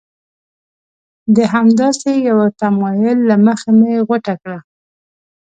د همداسې یوه تمایل له مخې مو غوټه کړه.